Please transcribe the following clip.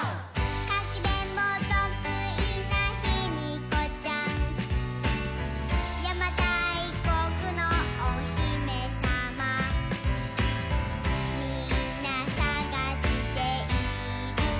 「かくれんぼとくいなヒミコちゃん」「やまたいこくのおひめさま」「みんなさがしているけど」